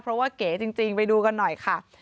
เพราะว่าเก๋จริงไปดูกันหน่อยค่ะ